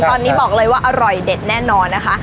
ตอนนี้บอกเลยว่าอร่อยเด็ดแน่นอนนะคะ